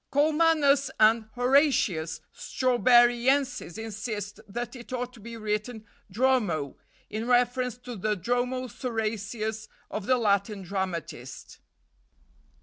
Colmanus and Horatius Strawberryensis insist that it ought to be written Dromo, in reference to the Dromo Sorasius of the Latin dramatist."